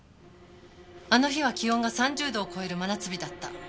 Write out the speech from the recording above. あの日は気温が３０度を超える真夏日だった。